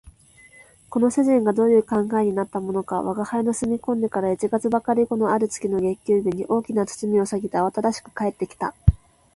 この主人がどういう考えになったものか吾輩の住み込んでから一月ばかり後のある月の月給日に、大きな包みを提げてあわただしく帰って来た